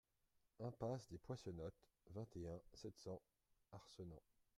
Impasse des Poissenottes, vingt et un, sept cents Arcenant